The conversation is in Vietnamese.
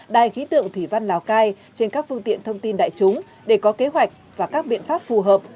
đài khí tượng thủy văn lào cai trên các phương tiện thông tin đại chúng để có kế hoạch và các biện pháp phù hợp